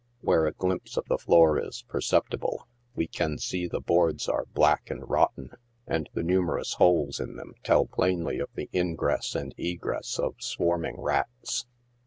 Where a glimpse of the floor is perceptible, we can see the boards are black and rotten, and the numerous holes in them tell plainly of the ingress and egress of swarming rats.